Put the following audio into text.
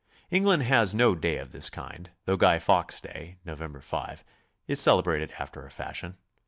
England has no day of this kind, though Guy Fawkes' day, Nov. 5, is celebrated after a fashion.